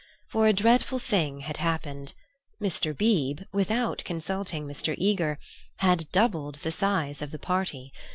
For a dreadful thing had happened: Mr. Beebe, without consulting Mr. Eager, had doubled the size of the party.